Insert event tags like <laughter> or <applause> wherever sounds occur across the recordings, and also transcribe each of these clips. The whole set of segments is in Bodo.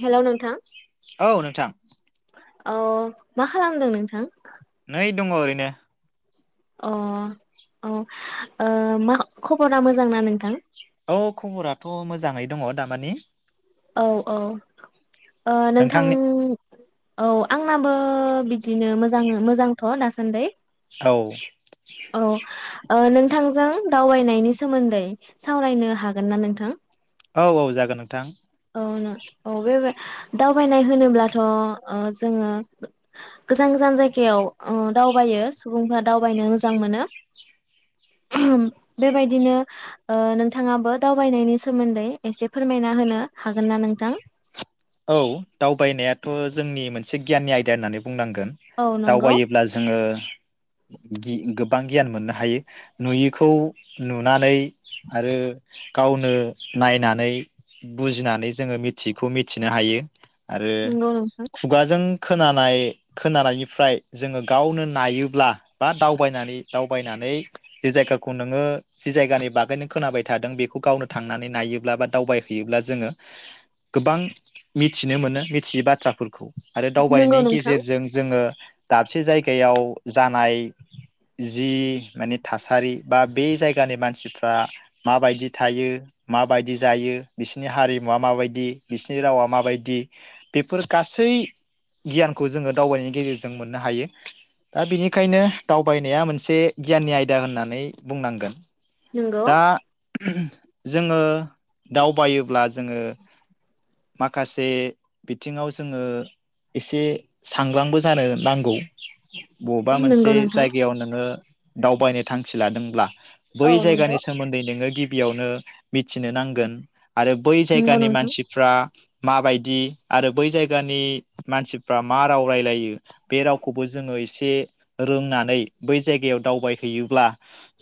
हेल' नोंथां। औ नोंथां अ मा खालामदों नोंथां। नै दङ ओरैनो। अ औ ओ मा खबरा मोजां ना नोंथां। औ खबराथ' मोजाङै दङ दामानि। औ औ। ओ नोंथां। नोंथांनि औ आंनाबो बिदिनो मोजाङो मोजांथ' दासान्दै औ औ नोंथांजों दावबायनायनि सोमोन्दै सावरायनो हागोन ना नोंथां औ औ जागोन नोंथां औ औ बे दावबायनाय होनोब्लाथ' जोङो गोजान गोजान जायगायाव दावबायो सुबुंफ्रा दावबायनो मोजां मोनो बेबायदिनो नोंथाङाबो दावबायनायनि सोमोन्दै एसे फोरमायना होनो हागोन ना नोंथां औ दावबायनायाथ' जोंनि मोनसे गियाननि आयदा होननानै बुंनांगोन औ नंगौ दावायोब्ला जोङो गोबां गियान मोननो हायो नुयैखौ नुनानै आरो गावनो नायनानै बुजिनानै जोङो मिथियैखौ फिनो हायो। आरो नंगौ नोंथां खुगाजों खोनानाय खोनानायनिफ्राय जोङो गावनो नायोब्ला बा दावबायनानै दावबायनानै जे जायगाखौ नोङो जि जायगानि बागैनो खोनाबाय थादों बेखौ गावनो थांनानै नायोब्ला बा दावबायहैयोब्ला जोङो गोबां मिथिनो मोनो मिथियै बाथ्राफोरखौ आरो नंगौ दावबायनायनि नोंथां गेजेरजों जोङो दाबसे जायगायाव जानाय जि माने थासारि बा बे जायगानि मानसिफ्रा माबायदि थायो माबायदि जायो बिसिनि हारिमुवा माबायदि बिसनि नि रावा माबायदि बेफोर गासै गियानखौ जोङो दावबायनायनि गेजेरजों मोननो हायो दा बेनिखायनो दावबायनाया मोनसे गियाननि आयदा होननानै बुंनांगोन। नोंगौ। दा जोङो दावबायोब्ला जोङो माखासे बिथिङाव जोङो एसे सांग्रांबो जानो नांगौ। बबेबा नंगौ मोनसे नोंथां जायगायाव नोङो दावबायनो थांखि लादोंब्ला। औ बै नंगौ जायगानि सोमोन्दै नोङो गिबि बेयावनो मिथिनो नांगोन। आरो बै नंगौ जायगानि नोंथां मानसिफ्रा माबायदि आरो बै जायगानि मानसिफ्रा मा राव रायलायो बे रावखौबो जोङो एसे रोंनानै बै जायगायाव दावबायहैयोब्ला।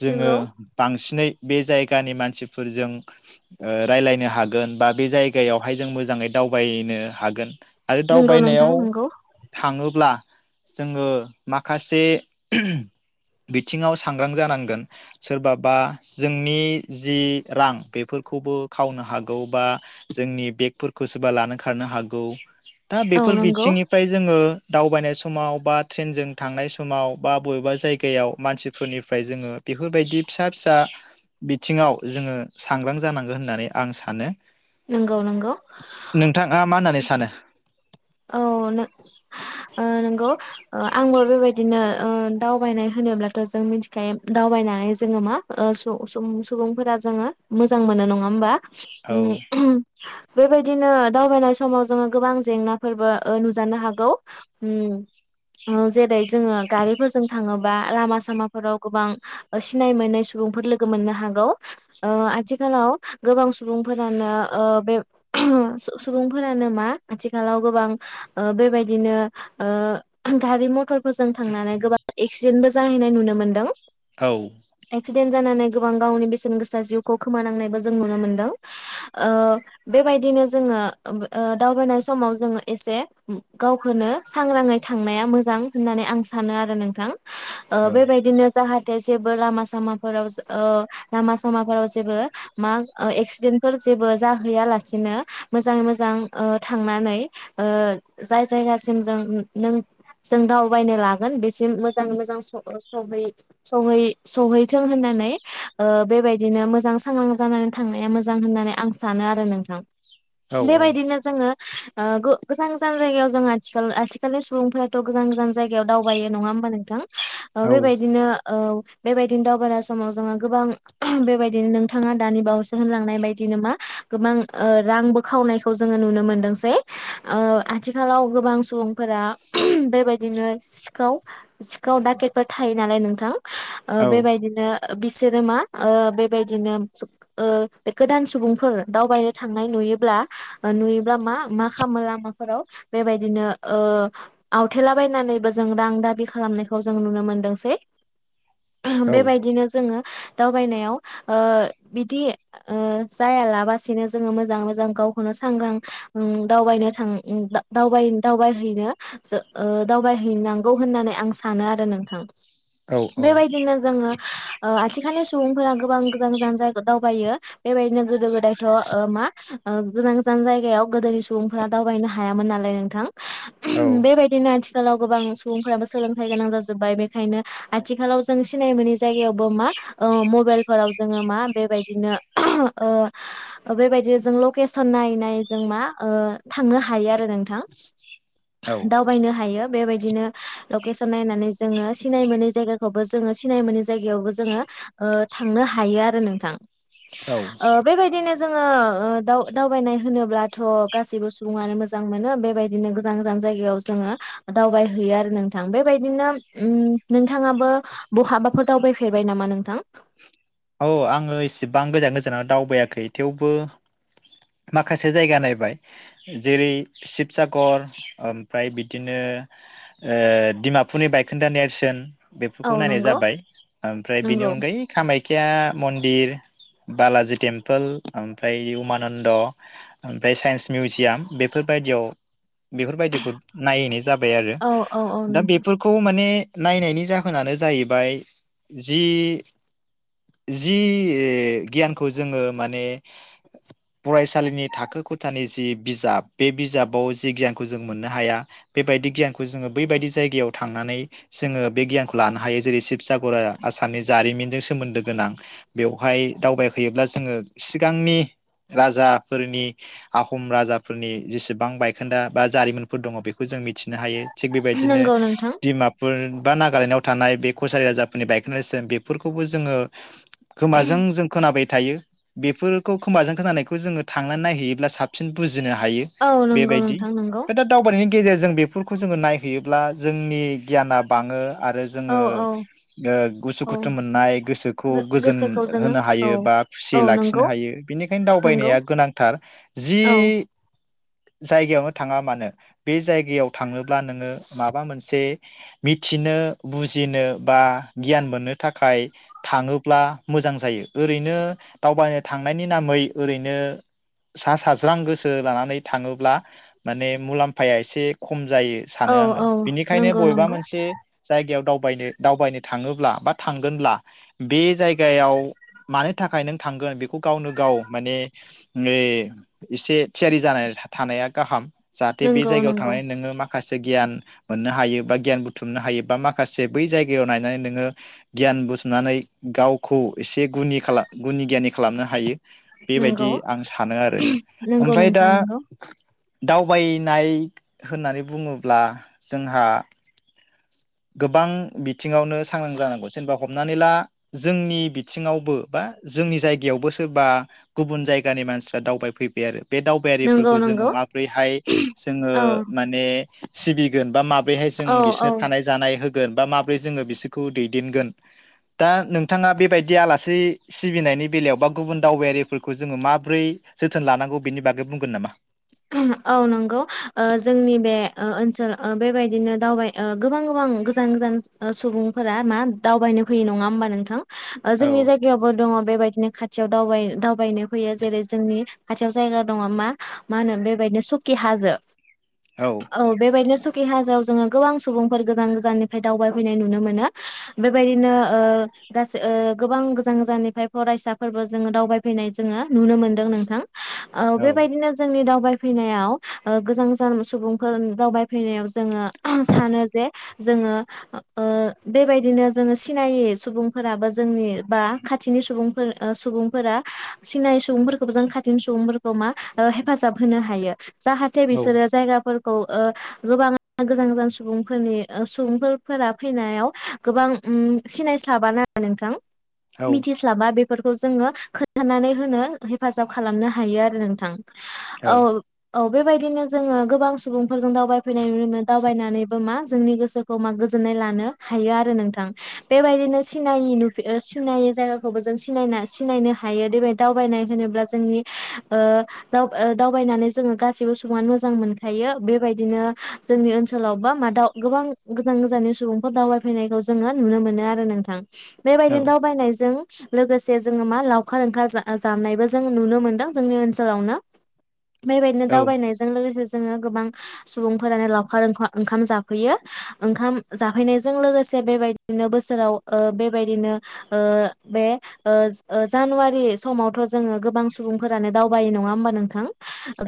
जोङो नंगौ बांसिनै बे जायगानि मानसिफोरजों रायजलायनो हागोन बा बे जायगायावहाय जों मोजां मोजाङै दावबायनो हागोन। आरो नंगौ नोंथां दावबायनायाव नंगौ थाङोब्ला जोङो माखासे बिथिङाव सांग्रां जानांगोन सोरबाबा जोंनि जि रां बेफोरखौबो खावनो हागो बा जोंनि बेग सोरबा लानो खारनो हागौ। दा औ बेफोर नंगौ बिथिंनिफ्राय जोङो दावबायनाय समाव बा ट्रेनजों थांनाय समाव बा बबेबा जायगायाव मानसिफोरनिफ्राय जोङो बेफोरबायदि फिसा फिसा बिथिङाव जोङो सांग्रां जानांगौ होननानै आं सानो। नंगौ नंगौ। नोंथाङा मा होननानै सानो? औ नो ओ नोंगौ आंबो बेबायदिनो ओ दावबायनाय होनोब्लाथ' जों मिथिखायो दावबानायै जोङो मा सु सुबुं सुबुंफोरा जोङो मोजां मोनो। नङा होमबा? औ उम बेबायदिनो दावबायनाय समाव जोङो गोबां जेंना फोरबो ओ नुजानो हागौ ओम जेरै जोङो गारिफोरजों थाङोब बा लामा सामाफोराव गोबां ओ सिनाय मोननाय सुबुंफोर लोगो मोननो हागौ ओ आथिखालाव गोबां सुबुंफोरानो ओ बे सु सुबुंफोरानो मा आथिखालाव गोबां ओ बेबायदिनो ओ गारि मथर मोजों थांनानै गोबां एक्सिडेन्टबो जाहैनाय नुनो मोन्दों। औ एक्सिडेन्ट जानानै गोबां गावनि बेसेन गोसा जिउखौ खोमानांनायबो जों नुनो मोनदों ओ बेबायदिनो जोङो ओ दावबायनाय समाव जोङो एसे गावखौनो सांग्राङै थांनाया मोजां होननानै आं सानो आरो नोंथां। ओ औ बेबायदिनो जाहाथ नाथाय जेबो लामा सामाफोराव ओ लामा सामाफोराव जेबो मा एक्सिडेन्टफोर जेबो जाहैयालासिनो मोजाङै मोजां ओ थांनानै ओ जाय जायगासिम जों नों जों दावबायनो लागोन बेसिम मोजाङै मोजां सहै - सहै सहैथों होननानै ओ बेबायदिनो मोजां सांग्रां जानानै थांनाया मोजां होननानै आं सानो आरो नोंथां। औ बेबायदिनो जोङो ओ गु गोजान गोजान जायगायाव जों आथिखाल आथिखालनि सुबुंफ्राथ' गोजान गोजान जायगायाव दावबायो नङा होमबा नोंथां? ओ औ बेबायदिनो औ बेबायदिनो दावबाय समाव जोङो गोबां बेबायदिनो नोंथाङा दानि बावैसो होनलांनाय बायदिनो मा गोबां रांबो खावनायखौ जोङो नुनो मोनदोंसै। ओ आथिखालाव गोबां सु सुबुंफोरा बेबाय बिदिनो सिखाव - सिखाव डाकेटफोर थायो नालाय नोंथां। ओ औ बेबायदिनो ओ बिसोरो मा ओ बेबायदिनो ओ गोदान सुबुंफोर दावबायनो थांनाय नुयोब्ला ओ नुयोब्ला मा मा खा मो लामाफोराव बेबायदिनो ओ आवथेलाबायनानैबो जों रां दाबि खालामनायखौ जों नुनो मोनदोंसै। <unintelligible> औ बेबायदिनो जोङो दावबायनायाव ओ बिदि ओ जायालाबासिनो जोङो मोजाङै मोजां गावखौनो सांग्रां ओ दावबायनो थां उम बा दा- दावबाय दावबायनो दावबायहैनो जो ओ दावबायहैनांगौ होननानै आं सानो आरो नोंथां। बेबायदिनो जोङो ओ आथि खालनि सुबुंफोरा गोबां गोजान गोजान जायगायाव दावबायो। बेबायदिनो गोदो गोदायथ' ओ मा ओ गोजान गोजान जायगायाव गोदो सु बुंफोरा दावबायनो हायामोन नालाय नोंथां। औ उहुम बेेबायदिनो आथि आथिखालाव गोबां सुबुंफोराबो सोलोंथाइ गोनां जाजोब्बाय बेखायनो आथिखालाव जों सिनाय मोनोनि जायगायावबो मा ओ मबाइलफोराव जोङो मा बेबायदिनो ओ बेबायदिनो जों लकेसन नायै नायै जों मा ओ थांनो हायो आरो नोंथां। औ दावबायनो हायो। बेबायदिनो लकेसन नायनानै जोङो सिनाय मोनै जायगाखौबो जोङो सिनाय मोनै जायगायावबो जोङो थांनो हायो आरो नोंथां। औ ओ बेबायदिनो जोङो ओ दाव-दावबायनाय होनोब्लाथ' गासैबो सुबुङानो मोजां मोनो बेबायदिनो गोजान गोजान जायगायाव जोङो दावबाय हैयो आरो नोंथां बेबायदिनो उम, नोंथाङाबो बहाबाफोर दावबायफेरबाय नामा नोंथां? औ आङो इसेबां गोजान गोजानाव दावबायाखै थेवबो, माखासे जायगा नायबाय। जेरै शिबसागर ओमफ्राय बिदिनो ओ डिमापुरनि बायखोन्दा नेरसोन औ बेफोरखौ नायनाय नंगौ जाबाय ओमफ्राय बेनि नंगौ अनगायै खामाय खिया मन्दिर, बालाजि टेम्पोल ओमफ्राय उमानन्द ओमफ्राय साइन्स मिउजियाम बेफोरबायायदियाव बेफोरबायदिखौ नायैनाय जाबाय आरो। औ औ औ दा नोंथां बेफोरखौ माने नायनायनि जाहोनानो जाहैबाय जि जि गियानखौ जोङो माने फरायसालिनि थाखो ख'थानि जि बिजाब बे बिजाबाव जि गियानखौ जों मोननो हाया बेबायदि गियानखौ जोङो बैबायदि जायगायाव थांनानै जोङो बे गियानखौ लानो हायो जेरै शिबसागरा आसामनि जारिमिनजों सोमोन्दो गोनां बेवहाय दावबायफैयोब्ला जोङो सिगांनि राजाफोरनि आहम राजाफोरनि जेसेबां बायखोन्दा बा जारिमिनफोर दङ बेखौ जों मि थिनो हायो थिग बेबायदिनो नंगौ नोंथां डिमापुर बा नागालेण्डआव थानाय बे कसारि राजाफोरनि बायखोदा नेरसोन बेफोरखौबो जोङो खोमाजों जों खोनाबाय थायो। बेफोरखौ खोमाजों खोनानायखौ जोङो थांनानै नायहैयोब्ला साबसिन बुजिनो हायो औ नंगौ बेबायदि, नोंथां नंगौ <unintelligible> दा दावबायनि गेजेरजों बेफोरखौ जोङो नायहै ब्ला जोंनि गियाना बाङो आरो औ जोङो औ ओ औ गुसुखुथु मोननाय गोसो खौ गोजोन गोसोखौ जोङो होनो औ हायो बा औ खुसियै लाखिनो नंगौ हायो बेनिखायनो नंगौ दावबायनाया गोनांथार जि औ जायगायावनो थाङा मानो बे जायगायाव थाङोब्ला नोङो माबा मोनसे मिथिनो बुजिनो बा गियान मोननो थाखाय थाङोब्ला मोजां जायो ओरैनो दावबायनो थांनायनि नामै ओरैनो सा साज्रां गोसो लानानै थाङोब्ला माने मुलाम्फाया एसे खम जायो औ सानो आङो औ बिनिखायनो नंगौ बबेबा नंगौ मोनसे जायगायाव दाव दावबायनो दावबायनो थाङोब्ला बा थांगोनब्ला बे जायगायाव मानो थाखाय नों थांगोन बेखौ गावनो गाव माने ए एसे थियारि जानानै थानाया गाहाम जाहाथे बे नंगौ जायगायाव नंगौ थांनानै नोङो मा माखासे गियान मोननो हायो बा गियान बुथुमनो हायो बा माखासे बै जायगायाव नायनानै नोङो गियान बुथुमनानै गावखौ एसे गुनि खाला गुनि गियानि खालामनो हायो। बेबायदि नंगौ आं सानो आरो नंगौ ओमफ्राय दा नोंथां नंगौ दावबायनाय होननानै बुङोब्ला जोंहा गोबां बिथिङावनो सांग्रां जानांगौ जेनेबा हमनानै ला जोंनि बिथिङावबो बा जोंनि जायगायावबो सोरबा गुबुन जायगानि मानसिफ्रा दावबायफैबाय आरो। बे नंगौ दावबायारिफोरखौ जोङो नंगौ माब्रैहाय जोङो औ माने सिबिगोन बा माबा बेहाय जों औ बिसोर औ थानाय होगोन बा माब्रै जोङो बिसोरखौ दैदेनगोन दा नोंथाङा बेबायदि आलासि सिबिनायनि बेलायाव बा गुबुन दावबायारिफोरखौ जोङो माबोरै जोथोन लानांगौ बेनि बागै बुंगोन नामा? औ नंगौ ओ जोंनि बे ओनसोल बेबायदिनो ओ दावबाय गोबां गोबां गोजान गोजान सुबुंफोरा मा दावबायनो फैयो नङा होमबा नोंथां ओ औ जोंनि जायगायावबो दङ बेबायदिनो खा खाथियाव दाव दावबायनो फैयो जेरै जोंनि खाथियाव जायगा दङ मा मा होनो बेबायदिनो सुकि हाजो औ बे बायनो स खि हाजोआव जोङो गोबां सुबुंफोर गोजान गोजाननिफ्राय दावबायफैनाय नुनो मोनो बेबायदिनो ओ गासै गोबां गोजान गोजाननिफ्राय फरायसाफोरबो जोङो दावबायफैनाय जोङो नुनो मोनदों नोंथां ओ औ बेेबायदिनो जोंनि दावबायफैनायाव ओ गोजान गोजान सुबुंफोर दावबायफैनायाव जोङो सानो जे जोङो ओ बेबायदिनो जोङो सिनायै सुबुंफोराबो जोंनि बा खाथिनि सुबुंफोर सुबुंफोरा सिनायै सुबुंफोरखौबो जों खाथिनि सुबुंफोरखौ मा ओ हेफाजाब होनो हायो। जाहाथे औ बिसोरो जायगाफोर औ ओ गोबां गोजान गोजान सुबुंफोरनि ओ सुबुंफोरफोरा फैनायाव गोबां उम सिनायस्लाबानो नोंथां मिथिस्लाबा बे फोरखौ जोङो खोन्थानानै होनो हेफाजाब खालामनो हायो आरो नोंथां। औ औ बेबायदिनो जोङो गोबां सुबुं जों दावबायफैनाय नुनो मोनो दावबायनानैबो मा जोंनि गोसोखौ मा गोजोननाय लानो हायो आरो नोंथां बेबायदिनो सिनाय नु ओ सिनायै जायगाखौबो जोंनाय सिनायनो हायो देबायाय दावबायनाय होनोब्ला जोंनि ओ ओ दाव दावबायनानै जोङो गासैबो सुबुङानो मोजां मोनखायो बेबायदिनो जोंनि ओनसोलाव बा मा दा गोबां गोजान गोजाननि सुबुंफोर दावबायफैनायखौ जोङो नुनो मोनो आरो नोंथां औ बेबायदिनो दावबायनायजों लोगोसे जोङो मा लावखार ओखार जामानायबो जों नुनो मोनदों जोंनि ओनसोलावनो बेबायदिनो औ दावबायनायजों लोगो जोंङो गोबां सुबुंफोरानो लावखार ओंखाम जाफैयो ओंखाम जाफैनायजों लोगोसे बेबायदिनो बोसोराव ओ बेबायदिनो ओ बे ओ ओ जानुवारि समावथ' जोङो गोबां सुबुंफोरानो दावबायो नङा होमबा नोंथां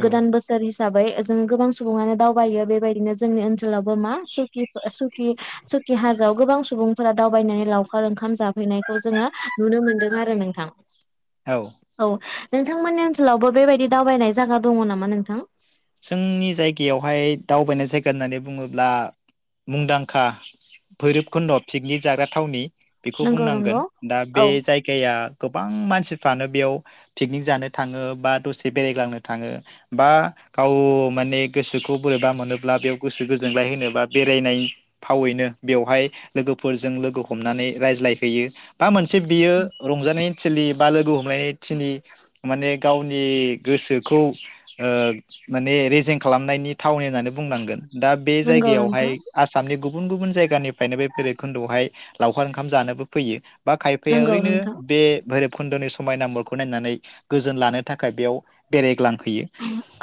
गोदान बोसोर हिसाबै जों गोबां सुबुङानो दावबायो बेबायदिनो जोंनि ओनसोल लावबो मा सखि सखि सुखि हाजोआव गोबां सुबुंफोरा दावबायनानै लावखार ओंखाम जाफैनायखौ जोङो नुनो मोनदों आरो नोंथां औ औ नोंथांमोननि ओनसोलावबो बेबायदि दावबायनाय जागा दङ नामा नोंथां जोंनि जायगायावहाय दावबायनाय जायगा होननानै बुङोब्ला मुंदांखा भैरबखुन्द' पिकनिक जाग्रा थावनि बेखौ नंगौ नंगौ बुंनांगोन दा औ बे जायगाया गोबां मानसिफ्रानो बेयाव पिकनिक जानो थाङो बा दसे बेरायग्लांनो थाङो बा गाव माने गोसोखौ बोरैबा मोनोब्ला बेयाव गोसो गोजोनलाय होनोबा बेरायनाय फावैनो बेवहाय लोगोफोरजों लोगो हमनानै रायज्लायहैयो बा मोनसे बियो रंजानाय सोलिब बालोगो <unintelligible> माने गावनि गोसोखौ ओ माने रेजें खालामनायनि थावनि होननानै बुंनांगोन दा बे नंगौ जायगायावहाय नोंथां आसामनि गुब- गुबुन गुबुन जायगानिफ्रायनो बे भैरबखुनदोआवहाय लावखार ओंखाम जानोबो फैयो। बा खायफाया नंगौ ओरैनो नोंथां बे भैरब खोन्दोनि समायाना महरखौ नायनानै गोजोन लानो थाखाय बेयाव बेरायग्लाङो। फैयो।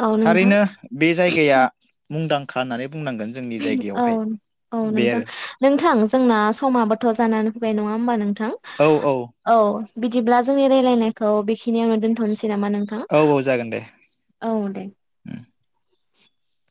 औ नोंथां थारैनो बे जायगाया मुंदां खानानै औ औ बे नोंथां आरो नोंथां जोंना समाबोथ' जानानै फैबाय नङा होमबा नोंथां? औ बिदिब्ला जो रायलायनायखौ बेखिनियावनो दोनथ'नोसै। नामा नोंथां औ औ जागोन दे। औ दे। <inaudible>